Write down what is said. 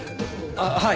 ああはい。